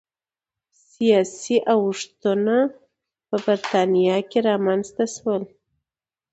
سیاسي اوښتونونه په برېټانیا کې رامنځته شول